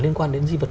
liên quan đến di vật